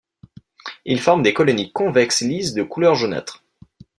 Ils forment des colonies convexes lisses de couleur jaunâtre.